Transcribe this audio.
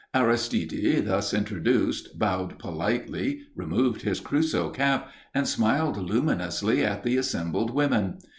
Aristide, thus introduced, bowed politely, removed his Crusoe cap, and smiled luminously at the assembled women.